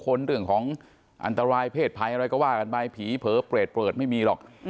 เรื่องของอันตรายเพศภัยอะไรก็ว่ากันไปผีเผลอเปรตเปิดไม่มีหรอก